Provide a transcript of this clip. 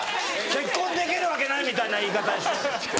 結婚できるわけないみたいな言い方。